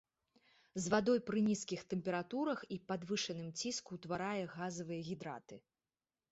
З вадой пры нізкіх тэмпературах і падвышаным ціску ўтварае газавыя гідраты.